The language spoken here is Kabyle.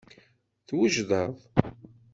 Twejdeḍ?